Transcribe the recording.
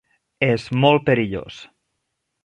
És molt perillós.